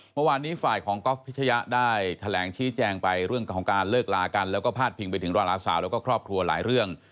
เมื่อวานนี้ฝ่ายของก๊อฟพิชยะได้แถลงชี้แจงไปเรื่องของการเลิกลากันแล้วก็พาดพิงไปถึงดาราสาวแล้วก็ครอบครัวหลายเรื่อง